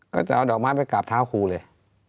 ก็จะเอาดอกไม้ไปกราบเท้าครูเลย